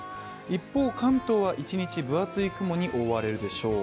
一方、関東は一日分厚い雲に覆われるでしょう。